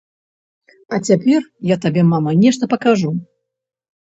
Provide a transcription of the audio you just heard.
А цяпер я табе, мама, нешта пакажу.